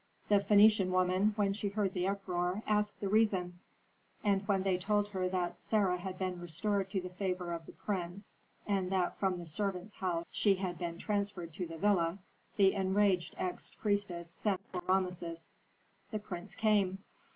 The Phœnician woman, when she heard the uproar, asked the reason; and when they told her that Sarah had been restored to the favor of the prince, and that from the servants' house she had been transferred to the villa, the enraged ex priestess sent for Rameses. The prince came.